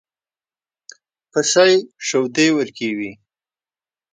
پیشو شیدې ورکوي